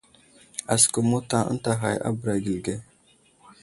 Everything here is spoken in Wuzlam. Asəkum mota ənta ghay a bəra gəli ge.